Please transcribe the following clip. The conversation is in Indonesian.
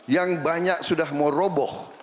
yang banyak sudah meroboh